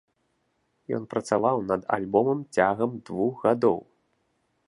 Ён працаваў над альбомам цягам двух гадоў.